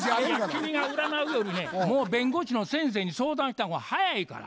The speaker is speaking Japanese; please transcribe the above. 君が占うよりねもう弁護士の先生に相談した方が早いから。